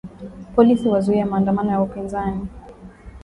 Polisi wazuia maandamano ya upinzani